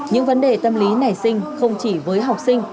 những vấn đề tâm lý nảy sinh không chỉ với học sinh